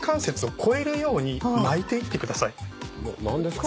何ですか？